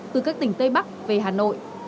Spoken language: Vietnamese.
từ các tỉnh tây bắc về hà nội